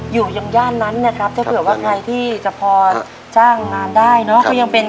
อยู่อย่างย่านนั้นนะครับถ้าเผื่อว่าใครที่จะพอจ้างงานได้เนอะก็ยังเป็น